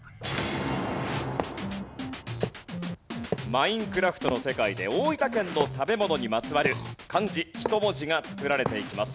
『Ｍｉｎｅｃｒａｆｔ』の世界で大分県の食べ物にまつわる漢字１文字が作られていきます。